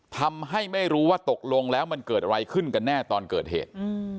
ทำให้ไม่รู้ว่าตกลงแล้วมันเกิดอะไรขึ้นกันแน่ตอนเกิดเหตุ